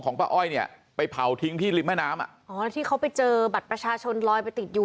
ป้าอ้อยเนี่ยไปเผาทิ้งที่ริมแม่น้ำอ่ะอ๋อที่เขาไปเจอบัตรประชาชนลอยไปติดอยู่